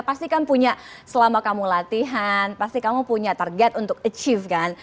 pasti kan punya selama kamu latihan pasti kamu punya target untuk achieve kan